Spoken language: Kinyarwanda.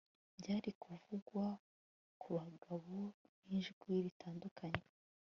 Byari kuvugwa kubagabo nijwi ritandukanye